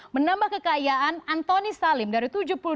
menambah kekayaan antoni salim dari tujuh puluh dua delapan puluh sembilan